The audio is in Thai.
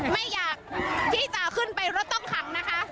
ไม่อยากที่จะขึ้นไปรถต้องขังนะคะ